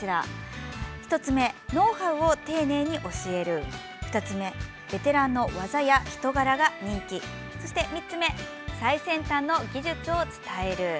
１つ目、ノウハウを丁寧に教える２つ目ベテランの技・人柄が人気３つ目、最先端の技術を伝える。